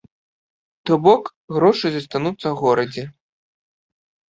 То бок, грошы застануцца ў горадзе.